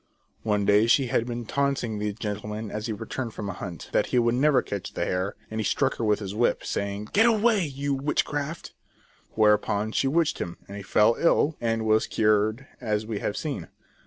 One day she had been taunting the gentleman as he returned from a hunt, that he could never catch the hare, and he struck her with his whip, saying :" Get away, you witchcraft!" Whereupon she witched him, and he fell ill, and was cured as we have seen.